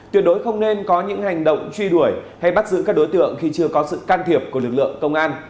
tuyệt đối không nên có những hành động truy đuổi hay bắt giữ các đối tượng khi chưa có sự can thiệp của lực lượng công an